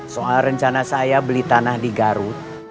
soal rencana saya beli tanah di garut